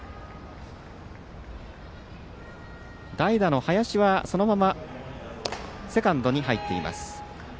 代打の林はそのままセカンドに入っています。